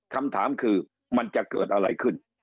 คำถามคือมันจะเกิดอะไรขึ้น